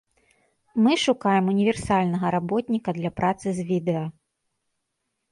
Мы шукаем універсальнага работніка для працы з відэа.